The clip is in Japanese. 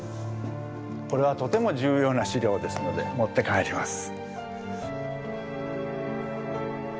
これはとても重要な資料ですので持って帰ります。